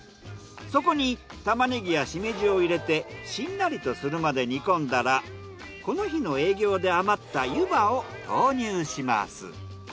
そこにタマネギやシメジを入れてしんなりとするまで煮込んだらこの日の営業で余ったゆばを投入します。